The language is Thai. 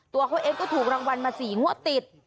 ตัวเองเขาถูกรางวัลมาสี่งกติด